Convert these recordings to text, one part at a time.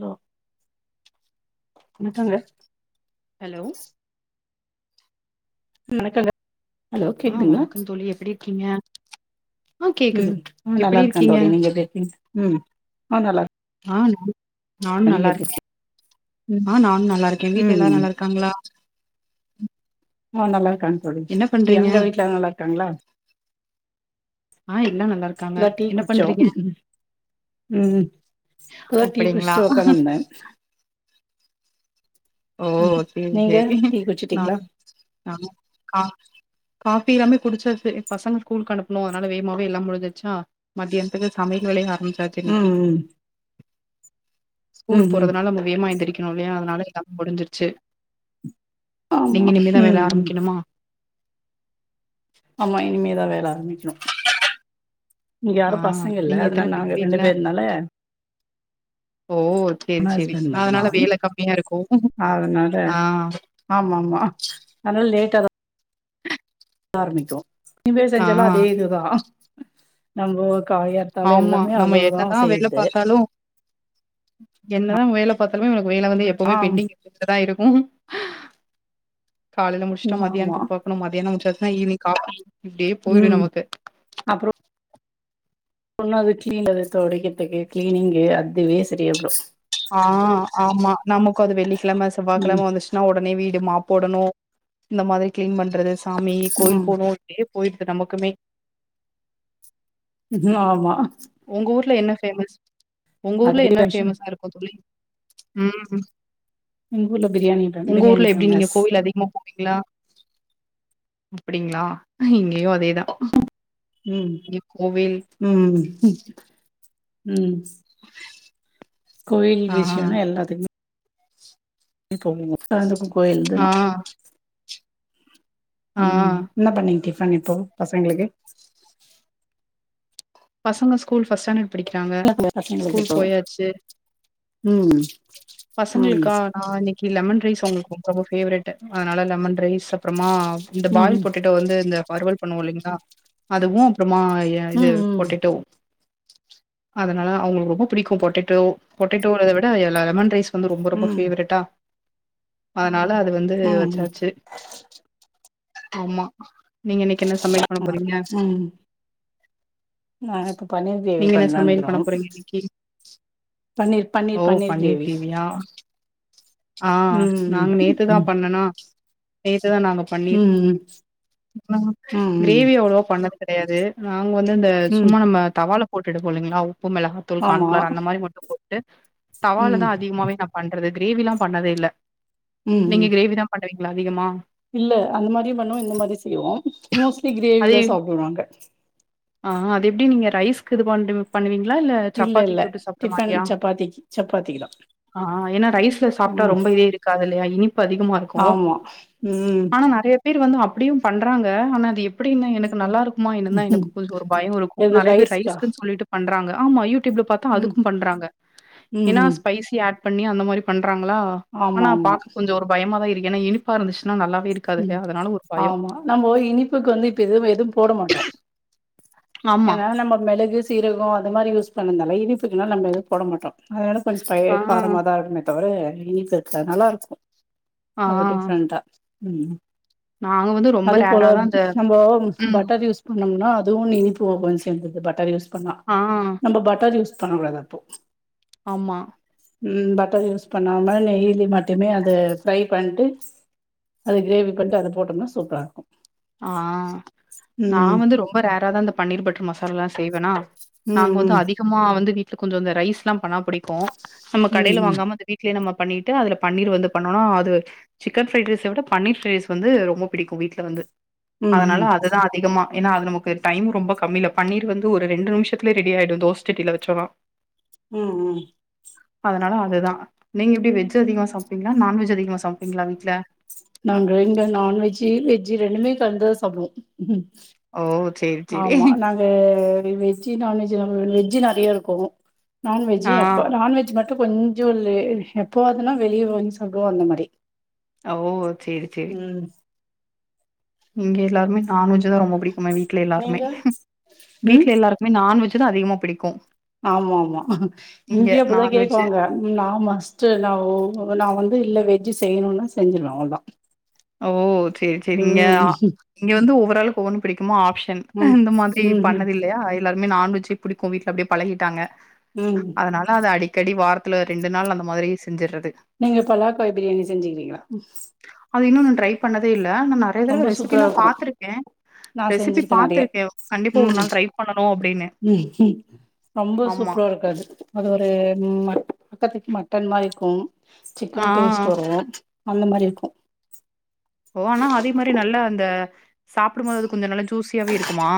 Low வணக்கங்க hello ம் வணக்கங்க ஹலோ ஆ கேக்குதுங்களா வணக்கம் தோழி எப்பிடி இருக்கீங்க ஆ கேக்குது ம் ம் நல்லா எப்டி இருக்கன் இருக்கீங்க தோழி நீங்க எப்டி இருக்கீங் ம் நா நல்லார் நானு நானு நல்லா இருக்கே இருக்கீங்க ஆ நானு நல்லா இருக்கேன் ம் வீட்ல எல்லாரு ம் நல்லா இருக்காங்ளா ஆ நல்லா இருக்காங்க தோழி என்ன எப்டி பண்றீங்க அங்க வீ்ட்ல நல்லா இருக்காங்ளா ஆ எல்லா நல்லாரு இப்பதா டீ குட்ச்சோ ம் இப்பதா டீ அப்டிங்களா குடடிஸ்ட்டு ஒக்கானுந்த ஓ சேரி நீங்க சேரி டீ குடிச்சிட்டீங்களா நாங்குளு நாங்க கா காப்பி எல்லாமே குடிச்சாச்சு எ பசங்க ஸ்கூலுக் அனுப்ணு அதுனால வேமாவே எல்லா முடின்சிர்ச்சா மத்தியான்த்துக்கு சமைக்க வேலைய ஆரமிச்சா ம் ம் ஸ்கூல் ம் ம் போறதுனால நம்ம வேமா எந்திரிக்குணு இல்லையா அதுனாலயேதா முடிஞ்சிர்ச்சு ஆமா நீங்க இனிமேதா ம் வேல ம் ஆரமிக்கணுமா ஆமா இனிமேதா வேல ஆரமிக்ணு இங்க ஆ யாரு பசங்க இல்ல நீங்க அதுனால எத்தன பேர் நாங்க வீட்ல ரெண்டுபேர்னால ஓ சேரி சேரி அதுனால வேல கம்மியா இருக்கு ஆ ஆமாம்மா அதுனால் லேட்டாதா ஆரமிக்கு டின்னரு ஆ, செஞ்சாலு அதே இதுதா நம்மோ காயாரு ஆமா நம்ம என்னதா வேல பாத்தாலு என்னதா வேல பாத்தாலுமே நமக்கு வேல வந்து ஆ எப்போமே பெண்டிங் இருந்துகிட்டுதா இருக்கு காலேல முடிஸ்ட்டோ ஆமா மத்யான்த்துக்கு பாக்கணு மதியானோ முடிச்சாச்னா ஈவினிங் காஃபி இப்டியே போய்டு ம் நமக்கு அப்றோ ஒன்னு அது கிளீன் அது தொடைக்கற்துக்கு கிளீனிங்கு அதுவே சரியாபுறு ஆ ஆமா நமக்கு அது வெள்ளிக்கிழம ம் செவ்வாயகிழம வந்துர்ஸ் னா ஒடனே வீடு மாப் போடனு இந்த மாதிரி கிளீன் பண்றது சாமி கோயில் ம் போனு அப்டியே போயிருது நமக்குமே ஆமா உங்க ஊர்ல என்ன ஃபேமஸ் உங்க ஊர்ல அதுவே என்ன டென்ஷன் ஃபேமஸ்ஸா இருக்கு தோழி ம் எங்க ஊர்ல பிரியாணி உங்க பிரியாணி ஊர்ல எப்டி நீங்க ஃபேமஸ் கோவில் அதிகமா பிங்களா அப்படிங்களா இங்கேயு அதேதா ம் இங்க கோவில் ம் ம் கோயில் ஆ விஷயம்ன்ன எல்லா [unintelligible] கோயில் ஆ இதுதா ஆ ம் என்ன பண்ணீங்க டிஃபன் இப்போ பசங்களுக்கு பசங்க ஸ்கூல் ஃபர்ஸ்ட் ஸ்டாண்டர்டு படிக்கிறாங்க பசங்களுக்கு ஸ்கூல் இப்போ போயாச்சு ம் ம் பசங்களுக்கா ஆ இன்னைக்கு லெமன் ரைஸ் அவங்களுக்கு ரொம்பவு போவ்ர்ட் அதனால லெமன் ரைஸ் அப்புறமா இந்த ம் ம் பால் போட்டேடோ டோ வந்து இந்த வறுவல் பண்ணுவோ இல்லைங்களா அதுவு அப்புறமா ஏ இது ம் ம் டோ அதனால அவங்களுக்கு ரொம்ப பிடிக்கு பொட்டேட்டோ பொட்டேட்டோவ விட லெமன் ரைஸ் வந்து ரொம்ப ரொம்ப ம் பேவரட்டா அதனால அது வந்து ம் வச்சாச்சு ஆமா நீங்க இன்ன க்கா என்ன சமையல் பண்ண ம் போறீங்க ம் நா இப்ப பன்னீர் கிரேவி நீங்க என்ன சமையல் பண்ணலான்னுக்கிறோ பண்ண போறீங்க இன்னைக்கு பன்னீர் ஓ பன்னீர் பன்னீர் பண்ணிர் கிரேவி கிரேவியா ஆ ம் நாங்க நேத்துதா ம் பண்ணுனோ நேத்துதா நாங்க பண்ணீர் ம் ம் கிரேவி அவ்ளோ பண்ணது தெரியாது நாங்க வந்து அந்த ம் சும்மா நம்ம தவாள போட்டுட்டு எடுப்போம் இல்லீங்களா உப்பு மிளகாத்தூள் ஆமா கான்ஃபிளர் அந்த மாதிரி மட்டு போட்டுட்டு தவால ம் தா அதிகமாவே நா பண்றது கிரேவி எல்லா பண்ணதே இல்ல ம் நீங்க ம் கிரேவி தா பண்ணுவீங்களா அதிகமா இல்ல அந்த மாதிரி பண்ணுவோ இந்த மாதிரி செய்வோ மோஸ்ட்லி அது கிரேவிதா சாப்பிடுவாங்க ஆ அது எப்டி நீங்க ரைஸ்க்கு இது பண்டு பண்ணுவீங்களா இல்ல சப்பாத்தி இல்ல தொட்டு சாப்ட்ர டிஃபன் மாரியா சப்பாத்திக்கு சப்பாத்திக்கு தா ஆ ஏன்னா ரைஸ்ல சாப்பிட்டா ம் ரொம்ப இதே இருக்காது இல்லயா இனிப்பு அதிகமா இருக்கு ஆமா ம் ஆனா நெறையா பேர் வந்து அப்படியு பண்றாங்க ஆனா அது எப்டின்ன எனக்கு நல்லா இருக்குமா என்னு தா எனக்கு கொஞ்சோ ஒரு பயம் இருக்கு எது நெறையா பேர் ரைஸ்க்கா ரைஸ்குனு சொல்லிட்டு பண்றாங்க ஆமா இருக்கு யூடூப்பில பாத்தா ம் அதுக்கு பண்றாங்க ம் ஏன்னா ம் ஸ்பைசி ஆட் பண்ணி அந்த மாரி பண்றாங்களா ஆமா ஆனா ஆமா பாக்க கொஞ்சோ ஒரு பயமா தான் இருக்கு ஏன்னா இனிப்பா இருந்துச்சுன்னா நல்லாவே ம் இருக்காதுல்லையா அதனால ஒரு பயோ ஆமா நம்ம இனிப்புக்கு வந்து இப்பது எதுவு போட மாட்டோ ஆமா. ஏன்னா நம்ம மிளகு சீரகோ அந்த மாரி யூஸ் பண்ணதால இனிப்புக்குன்னா நம்ம எது போட மாட்டோ அதனால கொஞ்சோ பய ஆ, காரமாக தா இருக்கு தவிர இனிப்பு இருக்க நல்லா இருக்கு ஆ. அது டிஃப்ரெண்டா ம் நாங்க வந்து ரொம்ப அது போல ரேரா தான் அந்த சம்பவம் ம். பட்டர் யூஸ் பண்ணினா அதுவு இனிப்பு வகைய சேந்தது பட்டர் யூஸ் பண்ணா ஆ. நம்ம பட்டர் யூஸ் பண்ணக்க கூடாது ப்போ ஆமா ம் பட்டர் யூஸ் பண்ண மாதிரி நெய்ல மட்டுமே அத ஃப்ரை பண்ணிட்டு அது கிரேவி பண்ணிட்டு அத போட்டோம்னா சூப்பரா இருக்கு ஆ நா ம் வந்து ரொம்ப ரேரதா அந்த பன்னீர் பட்டர் மசாலல்லா செய்வேனா நாங்க ம் வந்து ம் அதிகமா வந்து வீட்டுல கொஞ்சோ ரைஸ் எல்லா பண்ணா பிடிக்கு நம்ம ம் கடையில ம் வாங்காம அத வீட்லயே நம்ம பண்ணிட்டு அதுல பண்ணீர் வந்து பண்ணொண்ணா அது சிக்கன் பிஃரைட் ரைஸ்ச விட பன்னீர் ஃப்ரைஸ் வந்து ரொம்ப பிடிக்கு வீட்டுல வந்து ம் அதனால ம் அதுதா அதிகமா ஏன்னா அது நமக்கு டைம் ரொம்ப கம்மீல பன்னீர் வந்து ஒரு ரெண்டு நிமுஷத்துலே ரெடி ஆயிடு தோச சட்டீல வெச்சோனா ம் ம் அதனால அதுதா நீங்க எப்டி வெஜ் அதிகமா சாப்புடுவீங்கங்களா நண்வெஜ் அதிகமா சமைப்பீங்களா வீ்ட்ல நாங்க இங்க நான்வெஜ்ஜி வெஜ் ரெண்டுமே கலந்துதா சாப்புடுவோ ஓ! சரி, சரி. ஆமா நாங்க வெஜ்ஜு நான்வெஜ்ஜி வெஜ் நரையா இருக்கு நானு வெஜ்ஜு ஆ. எப்போ நான்வெஜ் மட்டு கொஞ்சோ லே எப்பவாதுன்னா வெளிய வாங்கி சாப்டுவோ அந்த மாரி அ ஓ சேரி சேரி ம் இங்க எல்லாருமே நான் வெஜ்ஜு தா ரொம்ப புடிக்கும வீட்டுல எல்லாருமே. நீங்க ம் வீட்டுல எல்லாருக் இனிமே நான் வெஜ்ஜு தா அதிகமா பிடிக்கு ஆமாம்மா இங்கயு அப்படிதா நான்வெஜ்ஜு கேக்குவாங்க நா மஸ்ட் என்னாவோ நா வந்து இல்ல வெஜ்ஜி செய்யணுன்னா செஞ்சிருவே அவ்ளதான் ஓ சேரி சேரிங்க இங்க அ இங்க வந்து ஓவ்வராலுக்கு ஒவ்வொன்னு பிடிக்குமா ஆப்ஷன் ம் இந்த மாதிரி ம் ம் பண்ணது இல்லையா எல்லாருமே நான்வெஜி பிடிக்கு வீட்டுல அப்படியே பழகிட்டாங்க ம் அதனால அது அடிக் க்கடி வாரத்துல ரெண்டு நாள் அந்த மாதிரி செஞ்சறது நீங்க பலாக்காய் பிரியாணி செஞ்சுக்கிறீங்களா அது இன்னு நா ட்ரை பண்ணதே இல்ல நா நறையா தடவ ரொம்ப சூப்பரா ரெசிபில்லா இருக்கு பாத்திருக்கே நா ரெசிபி செஞ்சிருக்கே நெறைய பாத்திருக்க கண்டிப்பா ஒரு ம் நாள் ட்ரை பண்ணனும் அப்படின்னு ம் ம் ரொம்ப சூப்பரா இருக்காது அது ஒரு ம மட்டன் மாரி இருக்கு ஆ. சிக்கன் டேஸ்ட் வரும் அந்த மாதிரி இருக்கு ஓ அனா அதே மாரி நல்லா அந்த சாப்புடும் போது அது கொஞ்சோ நல்ல தூசியாவே இருக்குமா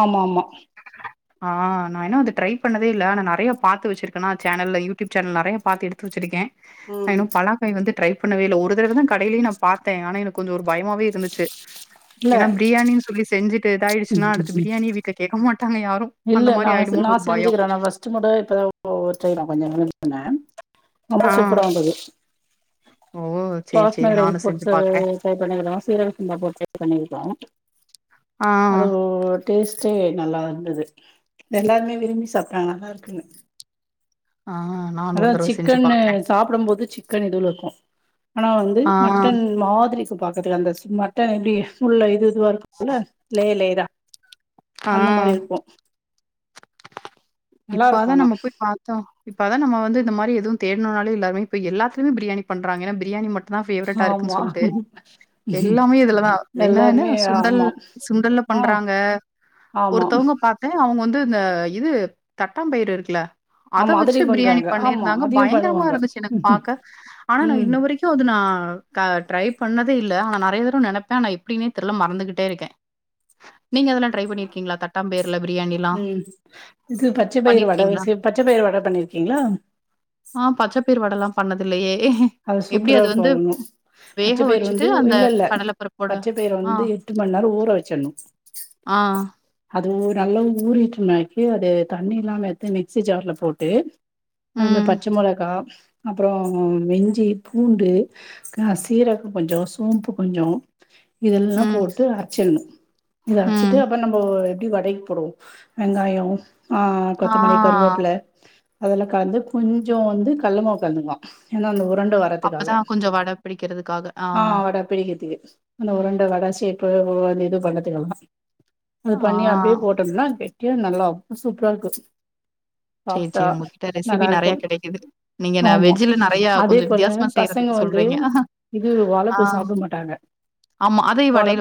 ஆமா [inaudible] ஆ நா இன்னு அத ட்ரை பண்ணதே இல்ல அனா நறையா பாத்து வெச்சிருக்கன்னா சேனல்ல யூ டியூப் சேனல் நறைய பாத்து எடுத்து வெச்சிருக்கே நா ம் இன்னு பலாக்காய் வந்து ட்ரை பண்ணவே இல்ல ஒரு தடவ தா கடையிலயு நா பாத்த அனா எனக்கு கொஞ்சோ ஒரு பயமாவே இருந்துச்சு இல்ல ஏன்னா பிரியாணி சொல்லி செஞ்சிட்டு இதாயிடுச்சுன்னா அடுத்து பிரியாணியே வீட்டுல கேக்க மாட்டாங்க யாரு இல்ல நாங்க நா செஞ்சிக்கற நா ஃபஸ்ட் ச்சகூட இப்பதா ஒரு நா [inaudible] கொஞ்சம் ரொம்ப ஆ. சூப்பரா வந்தது ஓ! சரி, பாஸ் மா சரி. ரைஸ் நானும் செஞ்சு குடுத்தது பாக்குறேன். ட்ரை பண்ணிருக்கறோ சீரக சம்பா போட்டுட்ரை பண்ணிருக்கோ ஆ, அத ஓ டேஸ்ட்டே நல்லாதா இருந்துது எல்லாருமே விரும்பி சாப்டாங்க நல்லாருக்குனு ஆ. நானும் அதா ஒரு தடவ செஞ்சு சிக்கன்னு பாக்குறேன். சாப்பிடும்போது சிக்கன்தூள் இருக்கு ஆனா வந்து ஆ, மட்டன் மாதிரி இருக்கு பாக்கரதுக்கு அந்த சு மட்டன் எப்டி உள்ள இது இதுவா இருக்கும்ல லே லேயர ஆ. அந்த மாரி இருக்கு நல்லா இருக்கு இப்பதா ஆனா நம்ப போய் பாத் தோ இப்பதா நம்ம வந்து இந்த மாரி எதுவு தேடுனாநாலு எல்லாருமே இப்ப எல்லாத்லையுமே பிரியாணி பண்றாங்க ஏன்னா பிரியாணி மட் நா பேவரட்ட இருக்குனு ஆமா சொல்டு எல்லாமே இதுலதா என்னென எல்லாருமே சுண்டல் ஆமா சுண்டலப் பண்றாங்க ஆமாம் ச அவுங்க வந்து இந்த இது தட்டாம்பயறு இருக்குல்ல அத ஆமா வச்சு அதுலயு ப்ரியாணி பண்றாங்க ஆமா பண்ணிருந்தாங்க அதையு பயங்ரமா பண்ணுவாங்க இருந்துச்சு எனக்கு பாக்க ஆனா நா ம் இன்ன வரைக்கும் இன்னு அது நா கா ட்ரை பண்னதே இல்ல ஆனா நெறய தடவ நெனப்பே ஆனா எப்டினே தெர்ல மறந்துகிட்டே இருக்க நீங்க அதெல்லா ட்ரை பண்ணிருகீங்ளா தட்டாபயறுல ப்ரியாணிலா ம் இது பச்ச பயிர் வட வசியோ பச்ச பயிர் வட பண்ணிருக்கீங்களா ஆ பச்ச பயிர் வடல்லா பண்ணதுல்லையே எப்டி சூப்பரா அது இருக்கு வந்து ஒன்னு வேக பச்ச பயிறு வச்சுட்டு வந்து அந்த இல்ல இல்ல கடல பருப்போட பச்ச பயிற ஆ வந்து எட்டு மண் நேரோ ஊர வச்சிட்ணு ஆ அது நல்ல ஊறிட்டுனாக்கி அது தண்ணி இல்லாம எத்து மிக்சி ஜார்ல போட்டு அதுல ம், பச்ச மொளகா அப்றோ ம் இஞ்சி பூண்டு கா சீரகோ கொஞ்சோ சோம்பு கொஞ்சோ இதெல்லா ம், போட்டு அரச்சிர்னு இத அரச்சுட்டு ம். அப்புறோ நம்ப எப்டி வடைக்கி போடுவோ வெங்காயோ ஆ கொத்தமல்லி ஆ. கருவபிள்ள அதலா கலந்து கொஞ்சோ வந்து கல்ல மாவு கலந்துக்லா ஏனா அந்த உருண்ட வ அப்பதா கொஞ்ச வட பிடிக்றதுக்காக ஆ பிடிகத்துக்கு அந்த உருண்ட வட ஷேப்பு வு இது பண்ணத்துக்கெல்லா இது ஆ பண்ணி அப்டியே போட்டும்னா கெட்டியா நல்லா சூப்பரா இருக்கு சரி சாஃப்டா சரி உங்ககிட்ட ரெசிபி நல்லா இருக்கு நெறைய கெடைக்குது. நீங்க ந ஆமா வெஜ்ல நெறைய அதே கொஞ்சம் போல வித்தியாசமா பசங்க செய்யறதுக்கு வந்து சொல்றீங்க. இது ஆ வாழப்பூ சாப்ட மாட்டாங்க ஆமா அதே வாழப்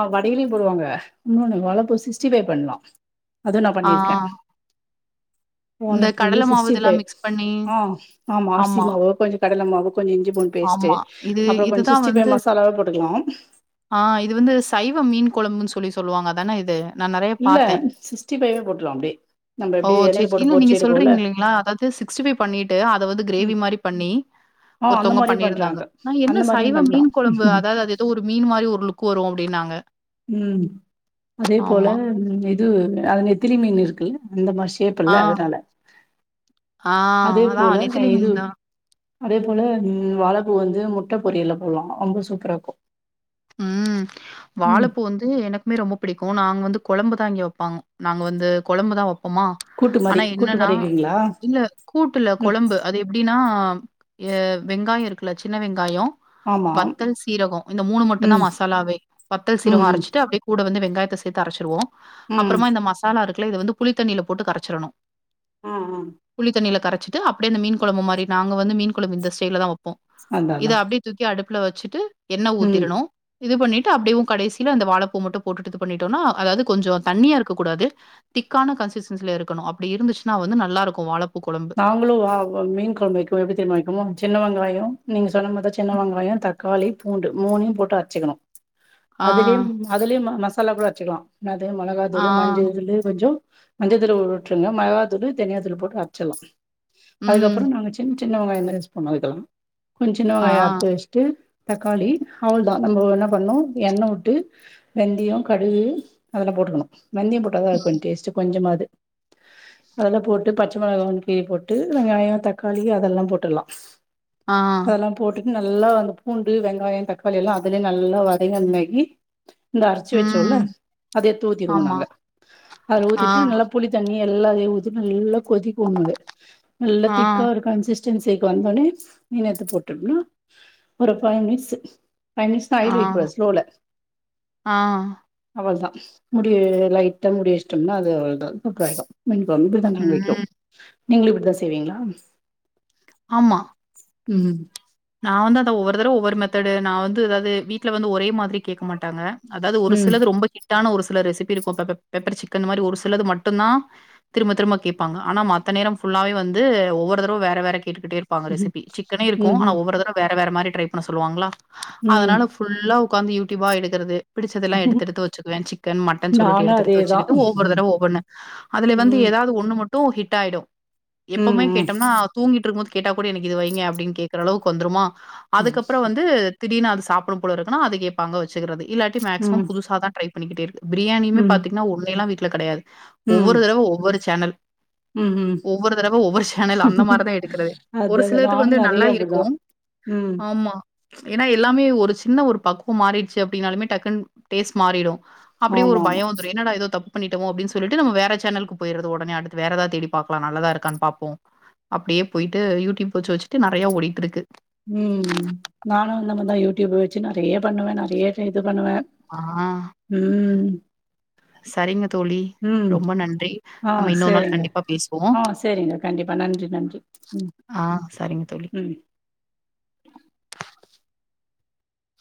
ஆ வடையிலு போடுவாங்க இன்னொனு வாழப்பூ சிஸ்டிபை பண்லா அது நா ஆ பண்ணிருக்க இந்த வாழப்பூல கடல மாவு சிக்ஸ்டி இதெல்லாம் பைவ் மிக்ஸ் பண்ணி ம் ஆமா அரிசிமாவு கொஞ்சோ கடலமாவு கொஞ்சோ இஞ்சி பூண்டு பேஸ்டு ஆமா. இது அப்பறோ கொஞ்சோ இதுதான் சிஸ்டிபைவ் வந்து மசாலாவ போட்டுகலா ஆ இது வந்து சைவ மீன் கொழம்புன் சொலி சொல்லுவாங்க அதான இது நான் நெறைய இல்ல பாத்தேன். சிஸ்டி பைவே போட்ரலா அப்டியே நம்ம ஓ எப்டி எண்ணெயில சேர்செ போட்டு இல்ல நீங்க பொறிச்சு எடுக்குவோல சொல்றீங்கலேங்ளா அதாது சிஸ்டி பைவ் பண்ணிட்டு அத வந்து கிரேவி ம் மாரி பண்ணி ஆ அந்த ஒர்தவங்க மாரியு பண்ணிர்தாங்க பண்றாங்க நா என்ன அந்த மாரியு சைவ பண்லா மீன் கொழம்பு அதாது அது து ஒரு மீன் மாரி ஒரு லுக் வரு அப்டின்னாங்க ம் அதே போல ஆமா. இது அது நெத்திலி மீன் இருக்குல்ல அந்த மாரி ஆ, ஷேப்புல்ல அதனால ஆ அதே அதான் போல நெத்திலி இது மீன் தான். அதே போல ம் வாழப்பூ வந்து முட்ட பொரியல்ல போட்லா ரொம்ப சூப்பராருக்கு ம் வாழப்பூ வந்து எனக்குமே ரொம்ப பிடிக்கு நாங்க வந்து கொழம்பு தா இங்க வெப்பாங்க நாங்க வந்து கொழம்பு தா வப்போமா கூட்டு மாரி ஆனா கூட்டு என்னன்னா மாரி வைக்கிறீங்களா? இல்ல கூட்டுல்ல ம் கொழம்பு அது எப்டின்னா ய வெங்காயோ இருக்குல்ல சின்ன வெங்காயோ ஆமா. வத்தல் சீரகொ இந்த மூணு மட்டுந்தா ம். மசாலாவே வத்தல் ம். சீரகோ ம். அரச்சிட்டு அப்டே கூட வந்து வெங்காயத்த சேத்து அரச்சிருவோ ம். அப்புறமா இந்த மசாலா இருக்குல்ல இத வந்து புளி தண்ணில போட்டு கரச்சிரணு ஆ ஆ புளித்தண்ணில கரைச்சிட்டு அப்டே இந்த மீன் கொழம்பு மாரி நாங்க வந்து மீன் கொழம்பு இந்த ஸ்டைல தா வெப்போ அதான் இத அதான். அப்டே தூக்கி அடுப்புல வச்சுட்டு என்ன ம். ஊத்திரணு இது பண்ணிட்டு அப்டேவு கடைசில அந்த வாழைப்பூ மட்டு போட்டுட்டு இது பண்ணிட்டோனா அதாது கொஞ்சோ தண்ணியா இருக்க கூடாது திக்கான கன்சிஸ்டன்சில இருக்கணு அப்டி இருந்துச்சன்னா வந்து நல்லா இருக்கு வாழப்பூ கொழம்பு அவங்களு வாவு மீன் கொழம்பு வைக்கு எப்டி தெரிமா வைக்கு சின்ன வெங்காயோ நீங்க சொன்ன மாரி தா சின்ன ம். வெங்காயோ தக் காளி பூண்டு மூணையு போட்டு அரச்சிக்கணு ஆ, அதுலே அதுலே மசாலா கூட அர்சுக்கலா என்னது மோலகா ஆ, தூளு மஞ்சதூளு கொஞ்சோ மஞ்சதுளு உட்ருங்க மெளகா தூளு தெனியாத்தூள் போட்டு வச்சலா அதுக்கப்பற ம், நாங்க சின்ன சின்ன வெங்காய யூஸ் பண்ணு அதுக்கலா கொஞ்ச சின்ன ஆ, வெங்காய அடுத்து ட்டு தக்காளி அவலோதா நம்ம என்ன பண்ணோ எண்ண வுட்டு வெந்தய கடுகு அதெல்லா போட்டுக்கணு வெந்தய போட்டு தா அது கொஞ்ச டேஸ்ட்ட் கொஞ்சமாவது அதல்லா போட்டு பச் மச்ச மோளகவு கொஞ்ச கீ போட்டு வெங்காய தக்காளி அதெல்லா போட்டுலா ஆ, அதெல்லா போட்டுட்டு நல்லா அந்த பூண்டு வெங்காய தக்காளி எல்லா அதுலயே நல்லா வதங்கி [unintelligible] இந்த அரிச்சி வச்சோல ம், அத எடுத்து ஊத்திடுவோ ஆமா. நாங்க அத ஆ, ஊத்திட்டு நல்ல புளித்தண்ணி எல்லாதையு ஊத்தி நல்லா கொதிக்வுன்னு இத நல்லா ஆ, திக்கா ஒரு கன்ஸிஸ் கன்சென்சிகு வந்தொனே மீனெத்து போட்ரனு ஒரு பை மினிட்ஸ் ஃபைவ்ன்னா ஆ, ஹைல்ல வயக்க ஸ்லோல ஆ, அவ்வள்தா முடி லைட்டா முடி வச்டோம்னா அது அவ்வள்தா குக் ஆயிடு மீன்‌ கொழும்பு இப்டித்தா நாங்க வைக்கும் ம், நீங்களு இப்டித்தா செய்வீங்களா ஆமா ம் நா வந்து அத ஒவ்வொரு தடவ ஒவ்வொரு மெத்தடு நா வந்து அதாவது வீட்ல வந்து ஒரே மாதிரி கேக்க மாட்டாங்க அதாது ஒரு ம் சிலது ரொம்ப ஹிட்டான ஒரு சில ரெசிபி இருக்கும் பெப்பப் பெப்பர் சிக்கன் மாரி ஒரு சிலது மட்டும்தா திரும்ப திரும்ப கேபாங்க ஆனா மத்த நேர ஃபுல்லாவே வந்து ஒவ்வொருடரவ வேற வேற கேட்டுக்கிட்டே இருக்கும் இருப்பாங்க ரெசிபி சிக்கனே இருக்கு ஆன ம் ஒவ்வொரு அதுன்னவோ வேற வேற மாரி ட்ரை பண்ண சொல்லுவாங்களா அதனால ம் ஃபுல்லா உட்கார்ந்து யூடியூப்பா எடுக்குறது பிடிசதல்லா ம் எடுத்து எடுத்து வச்சுக்குவ சிக்கன் மட்டன் சொல்டு நானு எடுத்து எடுத்து அதேதா வச்சுிட்டு ஒவ்வொருதடவ ஒவ்வோனு அதுலே வந்து ம் ஏதாவது ஒண்ணு மட் டூ ஹிட் ஆயிடு ம் எப்போமே ம் கேட்டம்னா தூங்கிட்ருக்கும்போது கேட்டா கூட எனக்கு இது வைங்க அப்டின்னு கே்கற அளவுக்கு இப்ப வந்துருமா ம் அதுக்கப்பற வந்து திடீர்னு அது சப்பிடனு போல இருக்குனா அது கேட்பாங்க வச்சுக்கிறது இல்லாட்டி மேக்சிமம் புதுசா தா ட்ரை பண்ணிக்கிட்டே இருக்கு பிரியாணியுமே ம் பத்தங்கான ஒன்னேலா வீட்ல கிடையாது ம் ஒவ்வொரு தட ஒவ்வொரு சேனல் ம் ம் ஒவ்வொரு தட ஒவ்வொரு சேனல் அந்த மாதிரிதா எடுக்கிறது அது ஒரு சிலத்து நானு வந்து நெறைய நல்லா இரு அப்டிதா கு ம் ஆமா ஏனா எல்லாமே ஒரு சின்ன ஒரு பக்குவ மாறிடுச்சு அப்படின்னாலுமே டக்குன்னு டேஸ்ட் மாறிடு அப்டியே ஆமா ஒரு ஆமா பயயோ வ என்னடா இது ஏதோ தப்புண்ணிட்மோ அப்டின்னு சொல்லிட்டும்ம வேற சேனலக்கு போயடுறது உடனே அடுத்து வேறதா தேடி பா்கக்கலா நல்லாதா இருக்கான்னு பாப்போ அப்டியே போயிட்டு யூடியூப் வச்சு வச்சுட்டு நெறையா ஓடிட்டு இருக்கு ம் நானு இந்தமாரித யூடியூப்ல வச்சு நெறைய பண்ணுவ நெறைய இது பண்ணுவ ஆ ம் சரிங்க தோழி ம் ரொம்ப நன்றி ஆ நம்ம இன்னொரு நாள் சேரிங்க கண்டிப்பா பேசுவோ ஆ சேரிங்க கண்டிப்பா நன்றி நன்றி ம் ஆ சரிங்க தோழி [inaudible]